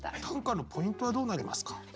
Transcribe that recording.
短歌のポイントはどうなりますか？